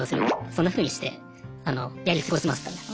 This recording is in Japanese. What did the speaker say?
そんなふうにしてやり過ごしましたね。